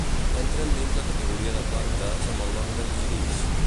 Entren dins la categoria de plantes amb el nom de "lliris".